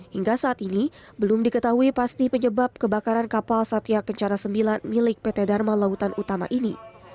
hingga saat ini belum diketahui pasti penyebab kebakaran kapal satya kencana sembilan milik pt dharma lautan utama ini